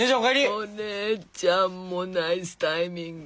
お姉ちゃんもナイスタイミング。